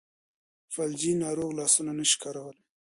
فلجي ناروغ لاسونه نشي کارولی.